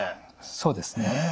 そうですね。